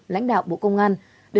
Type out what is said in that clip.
lãnh đạo bộ công an